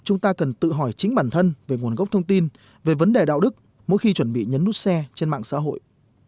chúng ta cần tự hỏi chính bản thân về nguồn gốc thông tin về vấn đề đạo đức mỗi khi chuẩn bị nhấn nút xe trên mạng xã hội